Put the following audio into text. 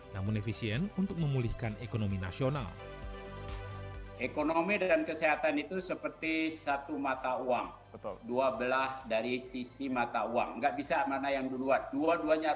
namun efisien untuk mengembangkan kesehatan masyarakat